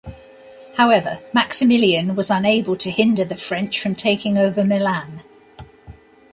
However, Maximilian was unable to hinder the French from taking over Milan.